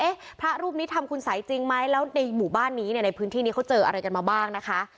พระรูปนี้ทำคุณสัยจริงไหมแล้วในหมู่บ้านนี้เนี่ยในพื้นที่นี้เขาเจออะไรกันมาบ้างนะคะ